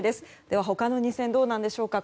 では他の２戦どうなんでしょうか。